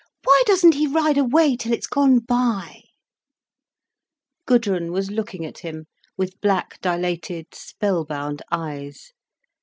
"Why doesn't he ride away till it's gone by?" Gudrun was looking at him with black dilated, spellbound eyes.